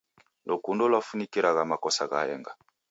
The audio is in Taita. Lukundo lwafunikiragha makosa gha henga.